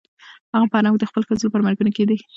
هغه په حرم کې د خپلو ښځو لپاره مرګونې کنده کیندلې وه.